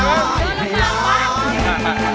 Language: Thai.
เรียกได้ซีฟัง